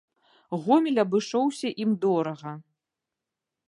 Гомель абышоўся ім дорага.